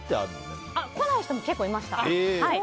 こない人も結構いました。